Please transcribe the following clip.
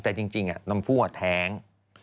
แต่จริงน้องหลุดก็แท้ง